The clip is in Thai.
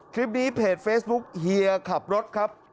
คลิปนี้เพจเฟซบุ๊คเฮียขับรถครับ